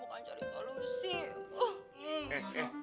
bukan cari salur sih